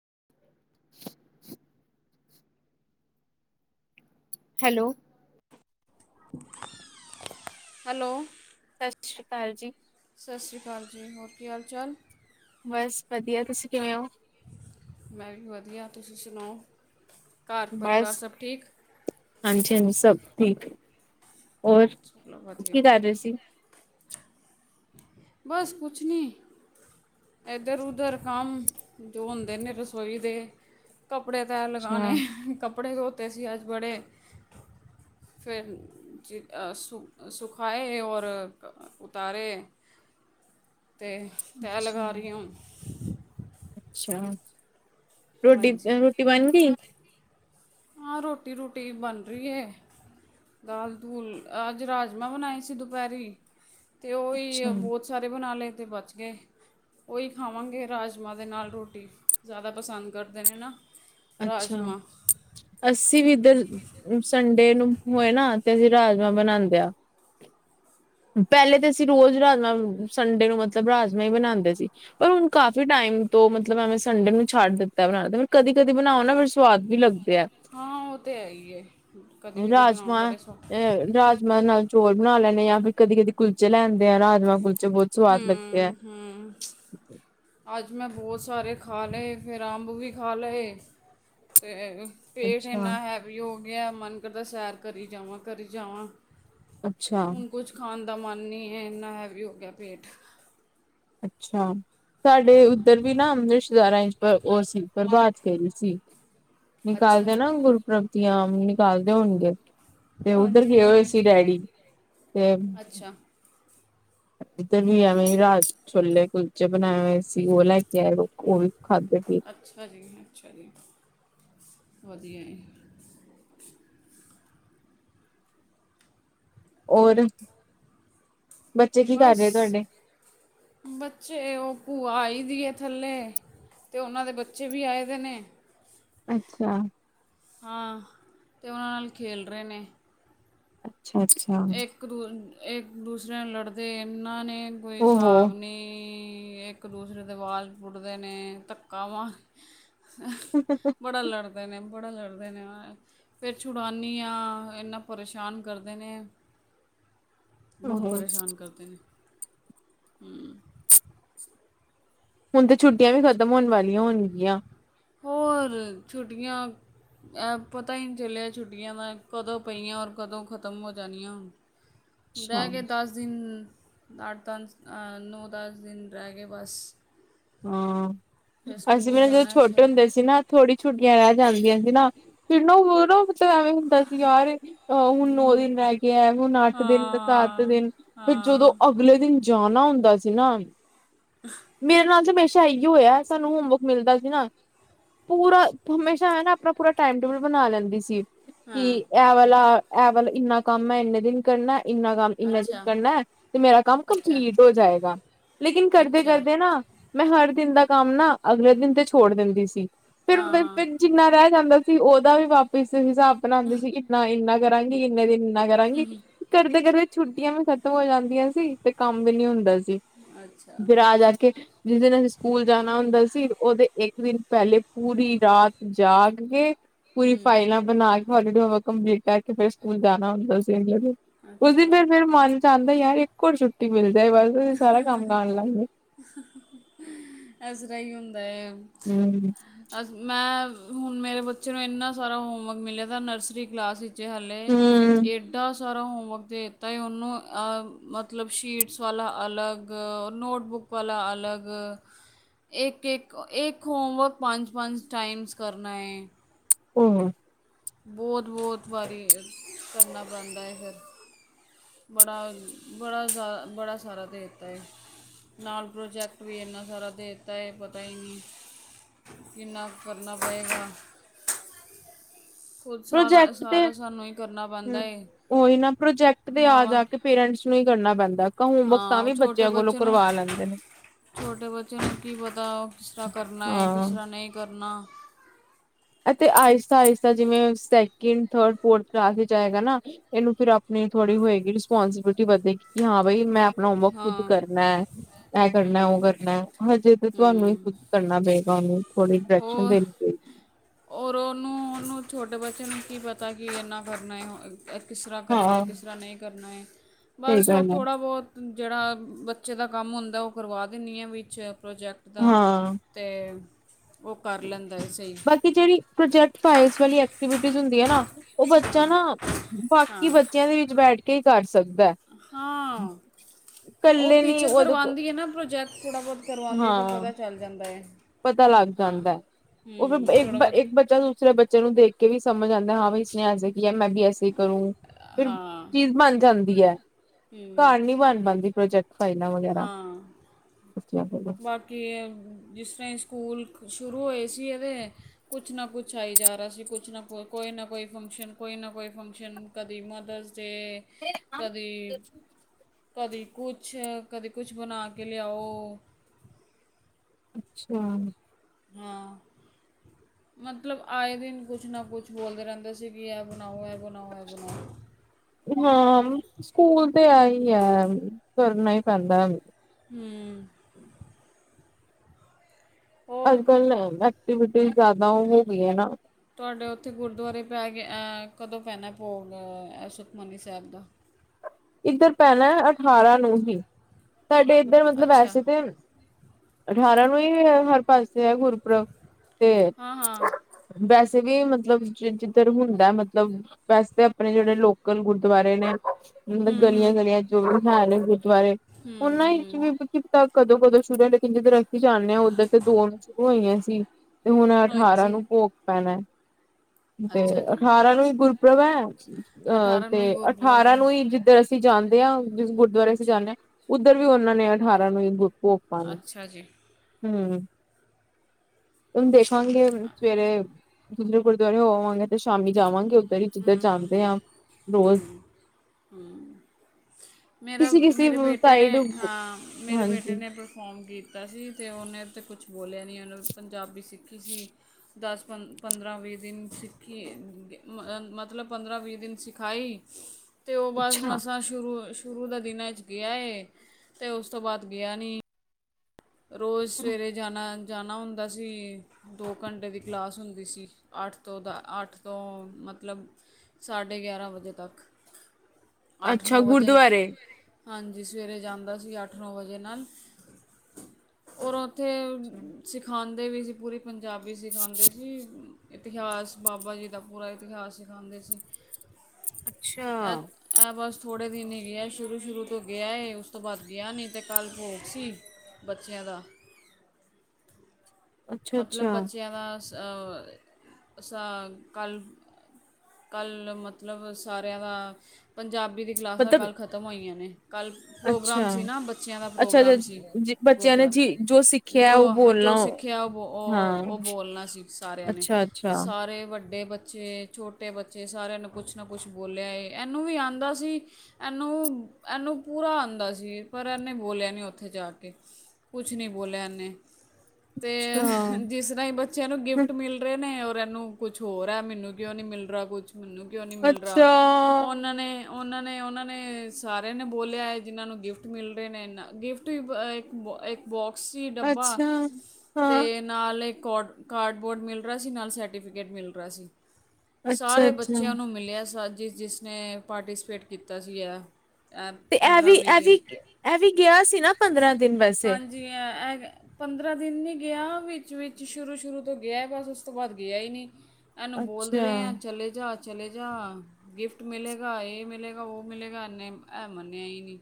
[inaudible] Hello, hello, ਸਸ ਰੀ ਅਕਾਲ ਜੀ ਸਤਿ ਸ਼੍ਰੀ ਅਕਾਲ ਜੀ ਹੋਰ ਕੀ ਹਾਲ ਚਾਲ ਬਸ ਵਧੀਆ ਤੁਸੀਂ ਕਿਵੇਂ ਹੋ ਮੈਂ ਵੀ ਵਧੀਆ, ਤੁਸੀਂ ਸੁਣਾਓ ਘਰ ਪਰਿਵਾਰ ਬਸ ਸਭ ਠੀਕ ਹਾਂਜੀ-ਹਾਂਜੀ ਸਭ ਠੀਕ। ਹੋਰ ਚਲੋ ਵਧੀਆ ਕੀ ਹੋਣਾ ਕਰ ਰਹੇ ਸੀ। ਚਾਹੀਦਾ ਬਸ ਕੁਛ ਨੀ ਇਧਰ ਉਧਰ ਕੰਮ ਜੋ ਹੁੰਦੇ ਨੇ ਰਸੋਈ ਦੇ ਕੱਪੜੇ ਤੈਅ ਅੱਛਾ। ਲਗਾਣੇ ਕਪੜੇ ਕੁੱਤੇ ਸੀ ਅੱਜ ਬੜੇ ਫਿਰ ਸੁ ਸੁਖਾਏ ਔਰ ਉਤਾਰੇੇ ਤੇ ਤੈਅ ਅੱਛਾ। ਲਗਾ ਰਹੀ ਹੁਣ ਅੱਛਾ ਰੋਟੀ ਹਾਂਜੀ -ਰੋਟੀ ਬਣ ਗਈ। ਹਾਂ ਰੋਟੀ ਰੂਟੀ ਬਣ ਰਹੀ ਹੈ ਦਾਲ ਦੂਲ ਅੱਜ ਰਾਜਮਾਂ ਬਣਾਏ ਸੀ ਦੁਪਹਿਰੀ ਤੇ ਉਹੀ ਅੱਛਾ। ਬਹੁਤ ਸਾਰੇ ਬਣਾ ਲਏ ਤੇ ਬਚ ਗਏ। ਉਹੀ ਖਾਵਾਂਗੇ ਰਾਜਮਾਂ ਦੇ ਨਾਲ ਰੋਟੀ ਜ਼ਿਆਦਾ ਪਸੰਦ ਕਰਦੇ ਨੇ ਨਾ। ਅੱਛਾ ਰਾਜਮਾ, [unintelligible] ਅਸੀਂ ਵੀ ਇੱਧਰ ਸੰਡੇ ਨੂੰ ਹੋਏ ਨਾ ਤੇ ਅਸੀਂ ਰਾਜਮਾਂ ਬਣਾਂਦੇ ਆ। ਪਹਿਲੇ ਤਾਂ ਅਸੀਂ ਰੋਜ਼ ਰਾਜਮਾਂ ਸੰਡੇ ਨੂੰ ਮਤਲਬ ਰਾਜਮਾ ਹੀ ਬਣਾਂਦੇ ਸੀ ਪਰ ਹੁਣ ਕਾਫੀ ਟਾਈਮ ਤੋਂ ਮਤਲਬ ਐਵੇਂ ਸੰਡੇ ਨੂੰ ਛੱਡ ਦਿੱਤਾ ਬਣਾਣਾ ਕਦੀ ਕਦੀ ਬਣਾਓ ਨਾ ਫਿਰ ਸਵਾਦ ਵੀ ਲੱਗ ਹਾਂ ਉਹ ਤਾਂ ਹੈ ਹੀ ਹੈ ਕਦੀ ਕਦੀ ਬਣਾਓ ਰਾਜਮਾਂ ਬੜੇ ਸੌ ਅ ਰਾਜਮਾਂ ਨਾਲ ਚੋਲ ਬਣਾ ਲੈਣੇ ਆ ਫਿਰ ਕਦੀ ਕਦੀ ਕੁਲਚੇ ਲੈਂਦੇ ਆ ਰਾਜਮਾਂ ਕੁਲਚੇ [unintelligible] ਬਹੁਤ ਸਵਾਦ ਲੱਗਦੇ ਹੈ, ਹੂੰ ਹੂੰ ਅੱਜ ਮੈਂ ਬਹੁਤ ਸਾਰੇ ਖਾ ਲਏ ਫਿਰ ਅੰਬ ਵੀ ਖਾ ਲਏ [unintelligible] ਪੇਟ ਅੱਛਾ। ਇੰਨਾ ਹੈਵੀ ਹੋ ਗਿਆ ਮਨ ਸੈਰ ਕਰੀ ਜਾਵਾਂ ਕਰੀ ਜਾਵਾਂ, ਅੱਛਾ, ਹੁਣ ਕੁਝ ਖਾਂਣ, ਦਾ ਮਨ ਨੀ ਹੈ ਇੰਨਾ ਹੈਵੀ ਹੋ ਗਿਆ। [inaudible] ਅੱਛਾ, ਸਾਡੇ ਉੱਧਰ ਵੀ ਨਾ ਰਿਸ਼ਤੇਦਾਰਾਂ ਚ ਪਰ ਉਹ ਸੀ ਪ੍ਰਭਾਤ ਫੇਰੀ ਸੀ। ਅੱਛਾ ਨਿਕਾਲਦੇ ਨਾ ਗੁਰਪੁਰਬ ਦੀਆਂ, ਨਿਕਾਲਦੇ ਹੋਣਗੇ। ਤੇ ਉੱਧਰ ਹਾਂਜੀ ਗਏ ਹੋਏ ਹਾਂਜੀ ਸੀ ਡੈਡੀ ਤੇ, ਅੱਛਾ ਇਧਰ ਵੀ ਐਵੇਂ ਰਾਤ ਛੋਲੇ ਕੁਲਚੇ ਬਣਾਏ ਹੋਏ ਸੀ ਉਹ ਲੈ ਕੇ ਆਏ ਉਹ [unintelligible] ਪੀ ਅੱਛਾ ਜੀ ਅੱਛਾ ਜੀ, ਵਧੀਆ, ਔਰ, ਬੱਚੇ ਕੀ ਕਰ ਬਸ ਰਹੇ ਤੁਹਾਡੇ? ਬੱਚੇ ਉਹ ਭੂਆ ਆਈ ਦੀ ਹੈ। ਥੱਲੇ ਤੇ ਉਹਨਾਂ ਦੇ ਬੱਚੇ ਵੀ ਆਏ ਦੇ ਨੇ, ਅੱਛਾ, ਹਾਂ ਤੇ ਉਹਨਾਂ ਨਾਲ ਖੇਲ ਰਹੇ ਨੇ, [inaudible] ਅੱਛਾ ਇੱਕ ਦੂ ਇੱਕ ਦੂਸਰੇ ਨਾਲ ਲੜਦੇ ਇਨਾਂ ਨੇ, ਕੋਈ ਓ ਹਿਸਾਬ ਹੋ। ਨੀ, ਇੱਕ ਦੂਸਰੇ ਦੇ ਵਾਲ ਪੁੱਟਦੇ ਨੇ ਧੱਕਾ ਮਾਰ, ਬੜਾ ਲੜਦੇ ਨੇ, ਬੜਾ ਲੜਦੇ ਨੇਂ। ਫ਼ਿਰ ਛੁਡਾਨੀ ਆ। ਏਨਾ ਪ੍ਰੇਸ਼ਾਨ ਕਰਦੇਂ ਨੇਂ। ਬਹੁਤ ਓਹੋ ਪ੍ਰੇਸ਼ਾਨ ਕਰਦੇਂ ਨੇਂ। ਹੂੰ। ਹੁਣ ਤਾਂ ਛੁੱਟੀਆਂ ਵੀ ਖ਼ਤਮ ਹੋਣ ਵਾਲ਼ੀਆਂ ਹੋਣਗੀਆਂ। ਹੋਰ ਛੁੱਟੀਆਂ ਐਂ ਪਤਾਂ ਹੀ ਨ੍ਹੀਂ ਚੱਲਿਆ ਛੁੱਟੀਆਂ ਦਾ ਕਦੋਂ ਪਈਆਂ ਔਰ ਕਦੋਂ ਖ਼ਤਮ ਹੋ ਜਾਣੀਆਂ। ਅੱਛਾ। ਰਹਿ ਗਏ ਦਸ ਦਿਨ। ਅੱਠ ਦਹ ਨੌਂ ਦਸ ਦਿਨ ਰਹਿ ਗਏ ਬਸ। ਫਿਰ ਹਾਂ। ਅਸੀਂ ਵੀ ਸਕੂਲ ਜਦੋਂ ਜਾਣਾ ਇਸ ਛੋਟੇ ਵਾਰ ਹੁੰਦੇ ਸੀ। ਨਾ ਥੋੜ੍ਹੀ। ਛੁੱਟੀਆਂ ਰਹਿ ਜਾਂਦੀਆਂ ਸੀ। ਨਾ ਫਿਰ ਨਾ ਮਤਲਬ ਐਵੇਂ ਹੁੰਦਾਂ ਸੀ। ਯਾਰ ਅ ਹੁਣ ਨੌ ਦਿਨ ਰਹਿ ਗਏ। ਆ ਹੁਣ ਅੱਠ ਦਿਨ। ਸੱਤ ਹਾਂ ਦਿਨ ਫ਼ਿਰ ਜਦੋਂ ਹਾਂ। ਅਗਲੇ ਦਿਨ ਜਾਣਾਂ ਹੁੰਦਾ। ਅਸੀਂ ਨਾ। ਮੇਰੇ ਨਾਲ਼। ਚਾਹੀਓ ਹੋਇਆਂ ਸਾਂਨੂੰ ਹੋਮਵਰਕ ਮਿਲ਼ਦਾ ਸੀ ਨਾ ਪੂਰਾਂ ਹਮੇਸ਼ਾ ਮੈਂ ਨਾ ਆਪਣਾਂ ਪੂਰਾਂ ਟਾਇਮ ਟੇਬਲ ਬਣਾਂ ਲੈਂਦੀ ਸੀ। ਹਾਂ ਕਿ ਐਂ ਵਾਲਾਂ ਐਂ ਵਾਲੇ। ਇੰਨਾਂ ਕੰਮ ਮੈਂ ਇੰਨੇਂ ਦਿਨ ਕਰਨਾਂ ਐਂ। ਇੰਨਾਂ ਕੰਮ ਇੰਨੇਂ ਦਿਨ ਅੱਛਾ ਕਰਨਾਂ ਐਂ। ਤੇ ਮੇਰਾ ਕੰਮ ਅੱਛਾ ਕੰਮਪਲੀਟ ਹੋ ਜਾਏਂਗਾ। ਲ਼ੇਕਿਨ ਕਰਦੇਂ ਅੱਛਾ ਕਰਦੇਂ ਨਾ। ਹਰ ਦਿਨ ਦਾ ਕੰਮ ਨਾ ਅਗਲੇ ਦਿਨ ਤੇ ਛੋੜ ਦਿੰਦੀ ਸੀ। ਫ਼ਿਰ ਹਾਂ ਮੈਂ ਹਾਂ ਜਿੰਨਾਂ ਰਹਿ ਜਾਂਦਾਂ। ਸੀ। ਉਹਦਾ ਵੀ ਵਾਪਿਸ। ਫਿਰ ਹਿਸਾਬ ਬਣਾਉਂਦੇ ਸੀ। ਕਿੰਨਾਂ ਇੰਨਾਂ ਕ ਕਰਾਂਗੀ ਕਿੰਨੇਂ ਦਿਨ। ਕਰਾਂਗੀ। ਕਰਦੇਂ ਕਰਦੇਂ ਛੁੱਟੀਆਂ ਵੀ ਖ਼ਤਮ ਹੋ ਜਾਂਦੀਆਂ ਸੀ। ਤੇ ਕੰਮ ਵੀ ਨੀਂ ਹੁੰਦਾਂ ਸੀ। ਅੱਛਾ ਫ਼ਿਰ ਆ ਜਾਂ ਕੇ। ਜਿਸ ਦਿਨ ਅਸੀਂ ਸਕੂਲ ਜਾਣਾਂ ਹੁੰਦਾਂ ਸੀ। ਉਹਦੇ ਇੱਕ ਦਿਨ ਪਹਿਲੇ ਪੂਰੀ ਰਾਤ ਜਾਗ ਕੇ। ਪੂਰੀ ਹੂੰ ਫਾਈਲਾਂ ਬਣਾਂ ਕੇ ਹੋਲੀਡੇ ਹੋਮਵਰਕ। ਕੰਮਪਲੀਟ ਕਰਕੇ ਫ਼ਿਰ ਸਕੂਲ ਜਾਣਾਂ ਹੁੰਦਾਂ ਸੀ। ਉਸ ਦਿਨ ਅੱਛਾ ਫ਼ਿਰ ਮੇਰੇ ਮਨ ਚ ਆਂਦਾ। ਯਾਰ ਇਕੋ ਛੁੱਟੀ ਮਿਲ਼ ਹੇ ਵਾਹਿਗੁਰੂ ਅਸੀਂ ਸਾਰਾਂ ਕੰਮ ਕਰਲਾਂਗੇ। ਇਸ ਤਰ੍ਹਾਂ ਹੀ ਹੁੰਦਾਂ ਤੇ ਹਮ ਅਸ ਮੈਂ। ਹੁਣ ਮੇਰੇ ਬੱਚੇ ਨੂੰ ਇੰਨਾਂ ਸਾਰਾਂ ਹੋਮਵਰਕ ਮਿਲਿਆਂ ਦਾ ਨਰਸਰੀ ਕਲਾਸ ਵਿੱਚ। ਜੇ ਹਲੇ ਹਮ ਏਡਾ। ਸਾਰਾ ਹੋਮਵਰਕ ਦੇ ਦਿੱਤਾ ਏ ਉਹਨੂੰ ਅਹ ਮਤਲਬ ਸ਼ੀਟਸ, ਵਾਲਾ ਅਲੱਗ ਨੋਟਬੁੱਕ ਵਾਲਾ ਅਲੱਗ ਇੱਕ ਇੱਕ ਇੱਕ ਹੋਮਵਰਕ ਪੰਜ ਪੰਜ ਟਾਈਮਸ ਕਰਨਾ ਹੈ। ਔ ਹੋ, ਬਹੁਤ-ਬਹੁਤ ਵਾਰੀ ਕਰਨਾ ਪੈਂਦਾ ਹੈ ਫਿਰ ਬੜਾ ਬੜਾ ਜ਼ ਬੜਾ ਸਾਰਾ ਦੇ ਦਿੱਤਾ ਹੈ ਨਾਲ ਪ੍ਰੋਜੈਕਟ ਵੀ ਇੰਨਾ ਸਾਰਾ ਦੇ ਦਿੱਤਾ ਹੈ ਪਤਾ ਹੀ ਨਹੀਂ ਕਿੰਨਾ ਕਰਨਾ ਪਵੇਗਾ। ਪ੍ਰੋਜੈਕਟ ਤੇ ਕਰਨਾ ਪੈਂਦਾ ਹੂੰ ਹੈ ਉਹੀ ਨਾ ਪ੍ਰੋਜੈਕਟ ਤੇ ਆ ਮਾਵਾਂ ਜਾ ਕੇ ਪੇਰੈਂਟਸ ਨੂੰ ਹੀ ਕਰਨਾ ਪੈਂਦਾ। ਹੋਮਵਰਕ ਤਾਂ ਹਾਂ ਉਹ ਵੀ ਛੋਟੇ ਬੱਚਿਆਂ ਕੋਲੋਂ ਬੱਚੇ ਨੂੰ ਕਰਵਾ ਲੈਂਦੇ ਨੇ ਛੋਟੇ ਬੱਚੇ ਨੂੰ ਕੀ ਪਤਾ ਉਹ ਕਿਸ ਤਰ੍ਹਾਂ ਕਰਨਾ ਹੈ ਕਿਸ ਹਾਂ ਤਰ੍ਹਾਂ ਨਹੀਂ ਕਰਨਾ। ਤੇ ਅਹਿਸਤਾ ਅਹਿਸਤਾ ਜਿਵੇਂ ਸੈਕਿੰਡ ਥਰਡ ਫੋਰਥ ਕਲਾਸ ਵਿੱਚ ਆਏਗਾ ਨਾ ਇਹਨੂੰ ਫੇਿਰ ਆਪਣੀ ਥੋੜੀ ਹੋਏਗੀ ਰਿਸਪੋਂਸੀਬਿਲਿਟੀ ਵਧੇਗੀ ਕਿ ਹਾਂ ਬਾਈ ਮੈਂ, ਆਪਣਾ ਖੁਦ ਹਾਂ ਕਰਨਾ ਇਹ ਕਰਨਾ ਹੂੰ ਉਹ ਕਰਨਾ ਹਜੇ ਤਾਂ ਤੁਹਾਨੂੰ ਹੀ ਹੂੰ ਖੁੱਦ ਕਰਨਾ ਪਏ, ਹਾਂ, ਥੋੜ੍ਹੀ ਇਟਰੈਕਸ਼ਨ ਹੋਰ ਦੇਣੀ ਪਏਗੀ ਔਰ ਉਹਨੂੰ ਉਹਨੂੰ ਛੋਟੇ ਬੱਚੇ ਨੂੰ ਕੀ ਪਤਾ ਕਿ ਇੰਨਾ ਕਰਨਾ ਐ। ਕਿਸ ਤਰ੍ਹਾਂ ਕਰਨਾ ਹੈ ਹਾਂ ਕਿਸ ਤਰ੍ਹਾਂ ਨਹੀਂ ਕਰਨਾ ਹੈ। ਸਹੀ ਬਸ ਉਹ ਗੱਲ ਹੈ। ਥੋੜ੍ਹਾ ਬਹੁਤ, ਜਿਹੜਾ ਬੱਚੇ ਦਾ ਕੰਮ ਹੁੰਦਾ ਉਹ ਕਰਵਾ ਦੇ ਨਹੀਂ ਹੈ ਵਿੱਚ ਪ੍ਰੋਜੈਕਟ ਦਾ ਹਾਂ ਤੇ, ਉਹ ਕਰ ਲੈਂਦੇ। ਬਾਕੀ ਜਿਹੜੀ ਪ੍ਰੋਜੈਕਟ ਫਾਈਲਜ਼ ਵਾਲੀ ਐਕਟੀਵਿਟੀ ਹੁੰਦੀ ਆ ਨਾ ਉਹ ਬੱਚਾ ਹਾਂ ਨਾ, ਬਾਕੀ ਹਾਂ ਬੱਚਿਆਂ ਦੇ ਵਿੱਚ ਬੈਠ ਕੇ ਹੀ ਕਰ, ਸਕਦਾ। ਹਾਂ ਉਹ ਇਕੱਲੇ ਨੀ ਟੀਚਰ ਉਹਦੇ ਕੋ ਕਰਵਾਦੀ ਹੈ ਨਾ ਪ੍ਰੋਜੈਕਟ, ਥੋੜ੍ਹਾ ਬਹੁਤ ਕਰਵਾਦੇ ਹੈ ਤਾਂ ਹਾਂ ਪਤਾ ਚੱਲ ਜਾਂਦਾ ਏ। ਪਤਾ ਲੱਗ ਜਾਂਦਾ ਹੈ ਉਹ ਫਿਰ ਥੋੜ੍ਹਾ ਬਹੁਤ ਇੱਕ ਬੱਚਾ ਦੂਸਰੇ, ਬੱਚੇ ਨੂੰ ਦੇਖ ਕੇ ਵੀ ਸਮਝ ਆਦਾ ਹਾਂ ਵੀ ਇਸ ਨੇ ਐੇਸੇ ਕੀ ਹੈ ਮੈਂ ਵੀ ਐਸੇ ਕਰੋ ਫਿਰ ਹਾਂ ਚੀਜ਼ ਬਣ ਜਾਂਦੀ ਹੈ ਹੂੰ ਘਰ ਨੀ ਬਣ ਪਾਦੀ। ਪ੍ਰੋਜੈਕਟ ਫਾਈਲਾਂ ਵਗੈਰਾ। ਹਾਂ ਬੱਚਿਆਂ ਕੋਲੋਂ ਬਾਕੀ ਜਿਸ ਤਰ੍ਹਾਂ ਇਸ ਸਕੂਲ ਸ਼ੁਰੂ ਹੋਏ ਸੀ ਇਹਦੇ ਕੁਛ ਨਾ ਕੁਛ ਆਈ ਜਾ ਰਿਹਾ ਸੀ ਕੁਛ ਨਾ ਕੁਛ ਕੋਈ ਨਾ ਕੋਈ ਫੰਕਸ਼ਨ ਕੋਈ ਨਾ ਕੋਈ ਫੰਕਸ਼ਨ ਕਦੀ ਮਦਰਜ਼ ਤੇ ਕਦੇ, ਅੱਛਾ ਕਦੇ ਕੁਛ, ਕਦੇ ਕੁਛ ਬਣਾ ਕੇ ਲਿਆਓ। ਅੱਛਾ, ਹਾਂ ਮਤਲਬ ਆਏ ਦਿਨ ਕੁਛ ਨਾ ਕੁਛ ਬੋਲਦੇ ਰਹਿੰਦੇ ਸੀ, ਕਿ ਇਹ ਬਣਾਓ ਇਹ ਬਣਾਓ ਇਹ ਬਣਾਓ ਹਾਂ ਸਕੂਲ ਤੇ ਐ ਹੀ ਹੈ, ਕਰਨਾ ਹੀ ਪੈਂਦਾ। ਹਮ। [unintelligible] ਐਕਵਿਟੀ ਜ਼ਿਆਦਾ ਹੋ ਗਈਆਂ ਨਾ। ਤੁਹਾਡੇ ਉੱਥੇ ਗੁਰਦੁਆਰੇ ਪੈ ਗਿਆਏ ਕਦੋਂ ਪੈਣਾ ਪਊਗਾ ਸੁਖਮਨੀ ਸਾਹਿਬ ਦਾ। ਇੱਧਰ ਪੈਣਾ ਅਠਾਰਾਂ ਨੂੰ ਹੀ। ਤੁਡੇ ਇੱਧਰ ਮਤਲਬ ਅੱਛਾ ਵੈਸੇ ਤੇ ਅਠਾਰਾਂ ਨੂੰ ਹੀ ਹਰ ਪਾਸੇ ਹੈ ਗੁਰਪ੍ਰਬ ਤੇ ਹਾਂ ਹਾਂ ਬਸ ਵੀ ਮਤਲਬ ਜਿੱਧਰ ਹੁੰਦਾ ਮਤਲਬ ਵੈਸੇ ਤਾਂ ਆਪਣੇ ਜਿਹੜੇ ਲੋਕਲ ਗੁਰਦੁਆਰੇ ਨੇ ਮਤਲਬ ਹੂੰ ਗਲੀਆਂ ਹੂੰ ਗਲੀਆਂ ਜੋ ਵੀ ਹੈ ਨੇ ਗੁਰਦੁਆਰੇ ਉਹਨਾ ਵਿਚ ਹੂੰ-ਹੂੰ, ਵੀ ਕੀਤਾ। ਕਦੋਂ ਕਦੋਂ ਸ਼ੁਰੂ ਲੇਕਿ ਜਦਰ ਅਸੀ ਜਾਣਾ। ਉਧਰ ਦੋ ਸ਼ੁਰੂ ਹੋਈਆਂ ਸੀ। ਜੀ। ਤੇ ਹੁਣ ਅਠਾਰਾਂ ਹਾਂਜੀ, ਨੂੰ ਭੋਗ ਪੈਣਾ। ਤੇ ਅੱਛਾ ਜੀ। ਅਠਾਰਾਂ ਨੂੰ ਗੁਰ [unintelligible] ਅਹ ਤੇ ਨੂੰ ਹੀ ਗੁਰਪੁਰਬ ਅਠਾਰਾਂ ਏ, ਨੂੰ ਹੀ ਜਿੱ ਅਸੀਂ ਜਾਣਦੇ ਜਿਸ ਗੁਰਦੁਆਰੇ ਅਸੀਂ ਅੱਛਾ, ਜਾਂਦੇ ਹਾਂ ਉਹ ਇੱਧਰ ਵੀ ਉਹਨਾਂ ਨੇ ਅਠਾਰਾਂ ਨੂੰ ਗੁਰਪੁਰਬ ਅੱਛਾ ਜੀ। [unintelligible] ਤੁ ਦੇਖਾਂਗੇ ਸਵੇਰੇ ਜਧ ਗੁਰਦੁਆਰੇ ਹੋਵਾਂਗੇ ਤੇ ਸ਼ਾਮੀ ਜਾਵਾਂਗੇ ਉੱਧਰ ਹੀ ਜਿੱਧਰ ਜਾਂਦੇ ਹਾਂ ਰੋਜ਼ ਹਮ। ਮੇਰਾ ਕਿਸੇ ਕਿਸੇ ਮੇਰੇ ਬੇਟੇ ਨੇ ਸਾਈਡ ਹਾਂ ਮੇਰੇ ਬੇਟੇ ਹਾਂਜੀ ਨੇ ਪਰਫੋਮ ਕੀਤਾ ਸੀ ਅਤੇ ਉਹਨੇ ਤਾਂ ਕੁਛ ਬੋਲਿਆ ਨੀ ਉਹਨੂੰ ਪੰਜਾਬੀ ਸਿੱਖ ਕਿਸੀ ਦਸ ਪੰ ਪੰਦਰਾਂ ਵੀਹ ਦਿਨ ਸਿੱਖੀ ਮਤਲਬ ਪੰਦਰਾਂ ਵੀਹ ਦਿਨ ਸਿਖਾਈ ਅਤੇ ਉਹ ਬਅਸ ਅੱਛਾ ਮਸਾਂ ਸ਼ੁਰੂ। ਸ਼ੁਰੂ ਦਾ ਦਿਨਾਂ ' ਗਿਆ ਤੇ ਉਸ ਤੋਂ ਬਾਅਦ ਗਿਆ ਨੀ ਰੋਜ਼ ਸਵੇਰੇ ਜਾਣਾ ਜਾਣਾ ਹੁੰਦਾ ਸੀ ਦੋ ਘੰਟੇ ਦੀ ਕਲਾਸ ਹੁੰਦੀ ਸੀ ਅੱਠ ਤੋਂ ਦਾ ਅੱਠ ਤੋਂ ਮਤਲਬ ਸਾਢੇ ਗਿਆਰਾਂ ਵਜੇ ਤੱਕ। ਅੱਛਾ ਵਜੇ ਗੁਰਦੁਆਰੇ। ਹਾਂਜੀ ਸਵੇਰੇ ਜਾਂਦਾ ਸੀ ਅੱਠ ਨੌਂ ਵਜੇ ਨਾਲ। ਉਰੋਂ। ਉੱਥੇ ਸਿਖਾਦੇ। ਦੇ ਵੀ ਸੀ ਪੂਰੀ। ਪੰਜਾਬੀ ਸਿਖਾਉਂਦੇ ਸੀ। ਇਤਿਹਾਸ ਬਾਬਾ ਜੀ ਦਾ ਪੂਰਾ ਇਤਿਹਾਸ ਸਿਖਾਉਂਦੇ ਸੀ। ਅੱਛਾ। ਥੋੜ੍ਹੇ ਦਿਨ ਹੀ ਗਿਆ ਸ਼ੁਰੂ ਸ਼ੁਰੂ ਤੋਂ ਗਿਆ ਏ ਉਸ ਤੋਂ ਬਾਅਦ ਗਿਆ ਨਹੀਂ ਅਤੇ ਕੱਲ੍ਹ ਭੋਗ ਸੀ। ਬੱਚਿਆਂ ਦਾ। ਅੱਛਾ ਮਤਲਬ ਅੱਛਾ ਬੱਚਿਆਂ ਦਾ। ਕੱਲ ਕੱਲ ਮਤਲਬ ਸਾਰਿਆਂ ਦਾ ਪੰਜਾਬੀ। ਪੰਜਾਬੀ ਦੀਆਂ ਕਲਾਸਾਂ ਮਤਲਬ ਕੱਲ ਖਤਮ ਹੋਈਆਂ ਨੇ ਕੱਲ੍ਹ ਪ੍ਰੋਗਰਾਮ ਅੱਛਾ ਸੀ ਨਾ ਬੱਚਿਆਂ ਦਾ ਅੱਛਾ ਪ੍ਰੋਗਰਾਮ ਸੀ ਅੱਛਾ ਬੱਚਿਆਂ ਨੇ ਗੁਰਦੁਆਰਾ ਜੀ ਜੋ ਜੋ ਸਿੱਖਿਆ ਉਹ ਬੋਲਣਾ ਜੋ ਸਿੱਖਿਆ। ਸਿੱਖਿਆ ਉਹ ਬ ਉਹ ਹਾਂ ਉਹ ਬੋਲਣਾ ਸੀ ਸਾਰਿਆਂ ਨੇ ਅੱਛਾ ਅੱਛਾ ਸਾਰੇ ਵੱਡੇ ਬੱਚੇ। ਬੱਚੇ ਛੋਟੇ ਬੱਚੇ ਸਾਰਿਆਂ ਨੇ ਕੁਛ ਨਾ ਕੁਛ ਬੋਲਿਆ ਏ ਇਹਨੂੰ ਵੀ ਆਉਂਦਾ ਸੀ ਇਹਨੂੰ ਇਹਨੂੰ ਪੂਰਾ ਆਉਂਦਾ ਸੀ ਪਰ ਇਹਨੇ ਬੋਲਿਆ ਨਹੀਂ ਉੱਥੇ ਜਾ ਕੇ ਕੁਛ ਨਹੀਂ ਬੋਲਿਆ ਇਹਨੇ। ਤੇ ਅੱਛਾ ਜਿਸ ਰਾਹੀਂ ਬੱਚਿਆਂ ਨੂੰ ਗਿਫਟ ਮਿਲ ਰਹੇ ਨੇ ਔਰ। ਮੈਨੂੰ ਪੁੱਛੋ ਰਿਹਾ ਮੈਨੂੰ ਕਿਉਂ ਨੀ ਮਿਲ ਰਿਹਾ ਕੁਛ। ਮੈਨੂੰ ਕਿਉਂ ਨੀ ਮਿਲ ਰਿਹਾ ਅੱਛਾ ਉਹਨਾਂ ਨੇ। ਉਹਨਾਂ ਨੇ ਉਹਨਾਂ ਨੇ ਸਾਰਿਆਂ ਨੇ ਬੋਲਿਆ ਹੈ ਜਿਹਨਾਂ ਨੂੰ ਗਿਫਟ ਮਿਲ ਰਹੇ ਨੇ ਇਨਾਂ ਗਿਫਟ ਵੀ ਇੱਕ ਬੋਕਸ। ਬੋਕਸੀ ਡੱਬਾ। ਅੱਛਾ ਹਾਂ ਤੇ ਨਾਲ। ਨਾਲੇ ਕੋਡ ਕਾਰਡ ਬੋਰਡ ਮਿਲ ਰਿਹਾ ਸੀ ਨਾਲ ਸਰਟੀਫਿਕੇਟ ਮਿਲ ਰਿਹਾ ਸੀ। ਅੱਛਾ ਸਾਰੇ ਅੱਛਾ ਬੱਚਿਆਂ ਨੂੰ ਮਿਲਿਆ ਸਾਂ ਅੱਜ। ਜਿਸ ਜਿਸ ਨੇ ਪਾਰਟੀਸਪੇਟ ਕੀਤਾ ਸੀਗਾ। ਤੇ ਇਹ ਵੀ ਇਹ ਵੀ ਇਹ ਵੀ ਗਿਆ ਸੀ ਨਾ ਪੰਦਰਾਂ ਦਿਨ ਵੈਸੇ। ਪੰਦਰਾਂ ਦਿਨ ਨੀ। ਗਿਆ ਵਿੱਚ ਵਿੱਚ ਸ਼ੁਰੂ ਸ਼ੁਰੂ ਤੋਂ ਗਿਆ ਬਸ ਉਸ ਤੋਂ ਬਾਅਦ ਗਿਆ ਹੀ ਨਹੀਂ। ਇਹਨੂੰ ਬੋਲਦੇ ਅੱਛਾ, ਰਹੇ ਆ ਚਲੇ ਜਾ। ਚਲੇ ਜਾ ਗਿਫਟ ਮਿਲੇਗਾ ਇਹ ਮਿਲੇਗਾ ਉਹ ਮਿਲੇਗਾ ਇੰਨੇ ਇਹ ਮੰਨਿਆ ਹੀ ਨਹੀਂ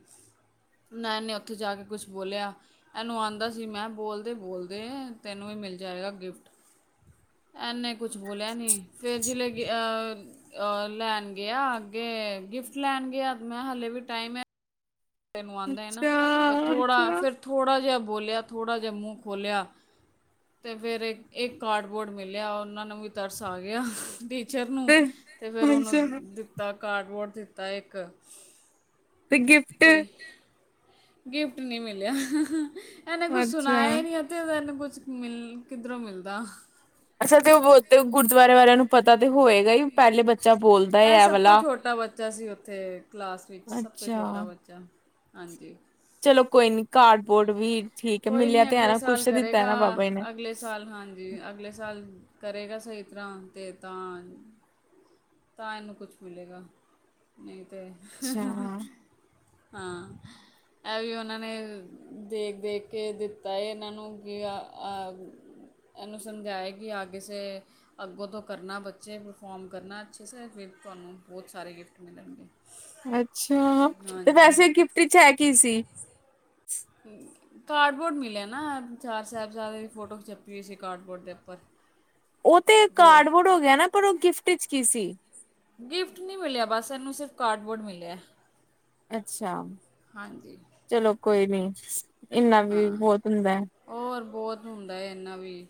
ਨਾ ਇਹਨੇ ਉੱਥੇ ਜਾ ਕੇ ਕੁਛ ਬੋਲਿਆ ਇਹਨੂੰ ਆਉਂਦਾ ਸੀ ਮੈਂ ਬੋਲਦੇ ਬੋਲਦੇ। ਗਏ ਆ ਤੈਨੂੰ ਵੀ ਮਿਲ ਜਾਏਗਾ ਗਿਫਟ ਇਨੇ ਕੁਛ ਬੋਲਿਆ ਨੀ ਫਿਰ ਜ ਅ ਅ ਲੈਣ ਗਿਆ ਅੱਗੇ ਗਿਫਟ ਲੈਣ ਗਿਆ ਮੈਂ ਕਿਹਾ ਹਾਲੇ ਵੀ ਟਾਈਮ ਹੈ। ਤੈਨੂੰ ਆਉਂਦਾ ਹੈ ਨਾ ਅੱਛਾ, ਫੇਰ ਥੋੜਾ ਅੱਛਾ ਫੇਰ ਥੋੜਾ ਜਿਹਾ। ਬੋਲਿਆ ਥੋੜ੍ਹਾ ਜਿਹਾ ਮੂੰਹ ਖੋਲਿਆ ਤੇ ਫੇਰ ਇਹ ਕਾਰਡਬੋਰਡ ਮਿਲਿਆ ਉਹਨਾਂ ਨੂੰ ਵੀ ਤਰਸ ਆ ਗਿਆ। ਟੀਚਰ ਨੂੰ ਤੇ ਤੇ ਫਿਰ ਉਹਨੂੰ ਅੱਛਾ ਦਿੱਤਾ। ਕਾਰਡਬੋਰਡ ਦਿੱਤਾ ਇੱਕ। ਤੇ ਗਿਫਟ? ਤੇ ਗਿਫਟ ਨਹੀਂ ਮਿਲਿਆ। ਇਹ ਨੇ ਕੁਛ ਅੱਛਾ। ਸੁਣਾਇਆ ਹੀ ਨਹੀਂ ਕੁਛ। ਮਿਲ ਕਿੱਧਰੋਂ ਮਿਲਦਾ। ਅਛਾ ਤੇ ਉਹ ਬਹੁ ਗੁਰਦੁਆਰੇ ਵਾਲਿਆ ਨੂੰ ਪਤਾ। ਤੇ ਹੋਏਗਾ ਹੀ ਪਹਿਲੇ ਬੱਚਾ ਬੋਲਦਾ ਇਹ ਐ ਸਭ ਤੋਂ ਵਾਲਾ। ਛੋਟਾ ਬੱਚਾ ਸੀ ਉੱਥੇ ਕਲਾਸ ਵਿੱਚ ਸਭ ਤੋਂ ਛੋਟਾ ਅੱਛਾ। ਬੱਚਾ ਹਾਂਜੀ। ਚਲੋ ਕੋਈ ਨੀ ਕਾਰਡਬੋਰਡ ਵੀ। ਠੀਕ ਹੈ ਕੋਈ ਮਿਲਿਆ ਨਹੀਂ ਤੇ ਹੈ ਅਗਲੇ ਨਾ ਸਾਲ ਕੁਛ ਤਾਂ ਦਿੱਤਾ ਹੈ ਕਰੇਗਾ ਨਾ ਬਾਬਾ ਜੀ ਨੇ। ਅਗਲੇ ਸਾਲ ਹਾਂਜੀ ਅਗਲੇ ਸਾਲ ਕਰੇਗਾ ਸਹੀ ਤਰ੍ਹਾਂ [unintelligible] ਤਾਂ ਇਹਨੂੰ ਕੁਛ ਮਿਲੇਗਾ ਨਹੀਂ। ਤੇ। ਅੱਛਾ, ਹਾਂ ਇਹ ਵੀ ਉਹਨਾਂ ਨੇ ਦੇਖ ਦੇਖ ਕੇ ਦਿੱਤਾ ਹੈ ਇਹਨਾਂ ਨੂੰ ਕਿ ਇਹਨੂੰ ਸਮਝਾਏ ਕਿ ਆ ਕਿਸੇ ਅੱਗੋਂ ਤੋਂ ਕਰਨਾ ਬੱਚੇ ਪਰਫੋਰਮ ਕਰਨਾ। [unintelligible] ਤੁਹਾਨ ਬਹੁਤ ਸਾਰੇ ਗਿਫਟ ਮਿਲਗੇ। ਅੱਛਾ ਤੇ ਵੈਸੇ ਗਿਫਟ ਚ ਹੈ ਕੀ ਸੀ। ਕਾਰਡਬੋਰਡ ਮਿਲਿਆ ਨਾ ਚਾਰ ਸਾਹਿਬਜ਼ਾਬ ਦੀ ਫੋਟੋ ਖਚਪੀ ਸੀ ਕ ਕਾਰਡਬੋਰਡ ਦੇ ਉੱਪਰ ਉਹ ਤੇ ਦੋ ਕਾਰਡਬੋਰਡ ਹੋ ਗਿਆ ਨਾ ਪਰ ਉਹ ਗਿਫਟ [unintelligible] ਕੀ ਸੀ। ਗਿਫਟ ਨਹੀਂ ਮਿਲਿਆ ਬਸ ਇਹਨੂੰ ਸਿਰਫ਼ ਕਾਰਡਬੋਰਡ ਮਿਲਿਆ। ਅੱਛਾ। ਹਾਂਜੀ ਚਲੋ ਕੋਈ ਨੀ। [unintelligible] ਇੰਨਾ ਵੀ ਹਾਂ ਬਹੁਤ ਹੁੰਦਾ ਹੈ। ਔਰ ਬਹੁਤ ਹੁੰਦਾ ਹੈ ਇੰਨਾ ਵੀ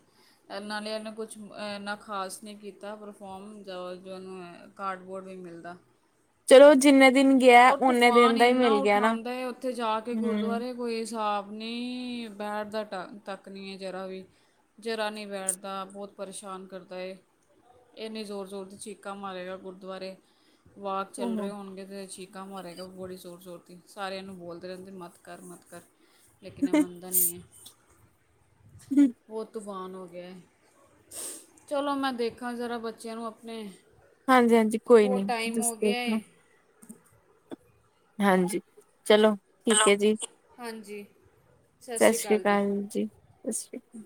ਨਾਲੇ ਇਹਨੇ ਕੁਛ ਇੰਨਾ ਖਾਸ ਨਹੀਂ ਕੀਤਾ ਪਰਫੋਰਮ ਜਾਂ ਜੋ ਉਹਨੂੰ ਕਾਰਡਬੋਰਡ ਵੀ ਮਿਲਦਾ। ਚਲੋ ਜਿੰਨੇ ਦਿਨ ਗਿਆ ਉਹਰ ਓਨੇ ਤੂਫਾਨ ਦਿਨ ਦਾ ਹੀ ਇੰਨਾ ਮਿਲ ਗਿਆ ਨਾ। ਉਠਾਦਾ ਹੈ ਉੱਥੇ ਜਾ ਕੇ ਹੂੰ, ਗੁਰਦੁਆਰੇ ਕੋਈ ਹਿਸਾਬ। ਆਪ ਨਹੀਂ ਬੈਠਦਾ ਟ ਤੱਕ ਨਹੀਂ ਹੈ ਜ਼ਰਾ ਵੀ ਜ਼ਰਾ ਨਹੀਂ ਬੈਠਦਾ ਬਹੁਤ ਪਰੇਸ਼ਾਨ ਕਰਦਾ ਇਵੇ ਜ਼ੋਰ ਜ਼ੋਰ ਦੀ ਚੀਕਾਂ ਮਾਰੇਗਾ ਗੁਰਦੁਆਰੇ ਵਾਕ ਚੱਲ [unintelligible] ਗਮਰ ਹੈਗਾ ਬੜੀ ਜ਼ੋੂਰਸੂਰਤੀ ਸਾਰਿਆਂ ਨੂੰ ਬੋਲਦੇ ਰਹਿੰਦੇ ਮੱਤ ਕਰ ਮੱਤ ਕਰ ਲੇਕਿਨ ਇਹ ਮੰਨਦਾ ਨਹੀਂ ਹੈ। [unintelligible] ਵਾਨ ਹੋ ਗਿਆ ਚਲੋ ਮੈਂ ਦੇਖਾਂ ਜ਼ਰਾ ਬੱਚਿਆਂ ਨੂੰ ਆਪਣੇ ਹਾਂਜੀ ਹਾਂਜੀ ਕੋਈ ਨੀ ਬਹੁਤ ਟਾਈਮ ਹੋ ਦੱਸਦੇ। ਗਿਆ ਏ ਹਾਂਜੀ। ਚਲੋ ਠੀਕ ਹੈ ਜੀ ਹਾਂਜੀ ਜੀ। ਸਤਿ ਸ੍ਰੀ ਅਕਾਲ ਜੀ। ਸਤਿ ਸ਼੍ਰੀ ਅਕਾਲ।